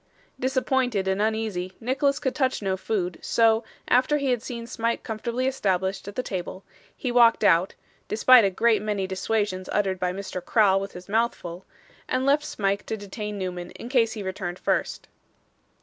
Disappointed and uneasy, Nicholas could touch no food, so, after he had seen Smike comfortably established at the table, he walked out (despite a great many dissuasions uttered by Mr. Crowl with his mouth full), and left Smike to detain Newman in case he returned first.